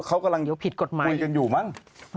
เขากำลังคุยกันอยู่มั้ง